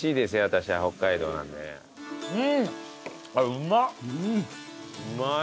うん！